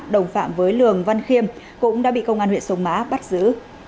đồng phạm với lường văn khiêm cũng đã bị công an huyện sông mã bắt giữ